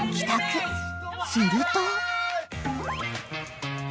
［すると］